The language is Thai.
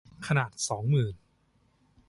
ขนาดสองหมื่น